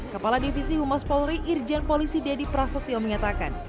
kepala divisi humas polri irjen polisi deddy prasetyo menyatakan